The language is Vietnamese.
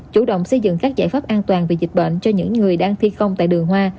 chủ động xây dựng các giải pháp an toàn về dịch bệnh cho những người đang thi công tại đường hoa